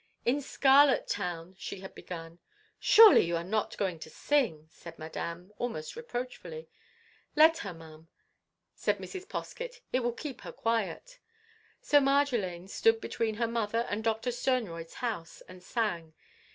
"In Scarlet Town—" she had begun. "Surely, you are not going to sing!" said Madame, almost reproachfully. "Let her, Ma'am," said Mrs. Poskett, "'t will keep her quiet." So Marjolaine stood between her mother and Doctor Sternroyd's house, and sang.